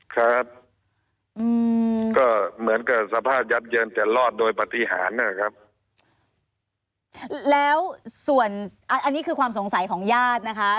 ครับอืมก็เหมือนกับสภาพยับเยินแต่รอดโดยปฏิหารนะครับแล้วส่วนอันนี้คือความสงสัยของญาตินะคะ